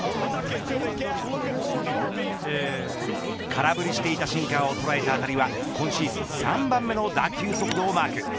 空振りしていたシンカーを捉えた当たりは今シーズン３番目の打球速度をマーク。